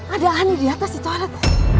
ada aneh di atas di toilet